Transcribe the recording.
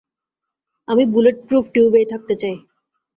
আমি বুলেটপ্রুফ টিউবেই থাকতে চাই।